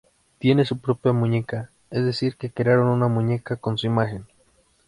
Tiene su propia muñeca, es decir que crearon una muñeca con su imagen.